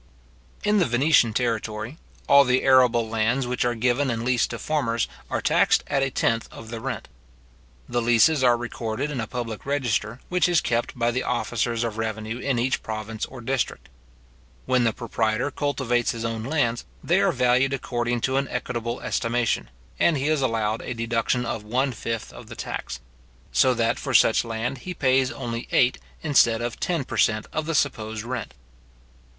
In the Venetian territory, all the arable lands which are given in lease to farmers are taxed at a tenth of the rent. {Memoires concernant les Droits, p. 240, 241.} The leases are recorded in a public register, which is kept by the officers of revenue in each province or district. When the proprietor cultivates his own lands, they are valued according to an equitable estimation, and he is allowed a deduction of one fifth of the tax; so that for such land he pays only eight instead of ten per cent. of the supposed rent.